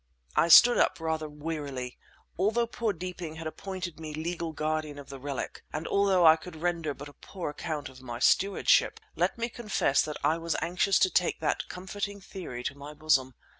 I stood up rather wearily. Although poor Deeping had appointed me legal guardian of the relic, and although I could render but a poor account of my stewardship, let me confess that I was anxious to take that comforting theory to my bosom.